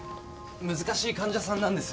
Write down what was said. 難しい患者さんなんです。